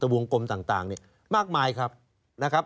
อธบุงกลมต่างนี่มากมายครับครับ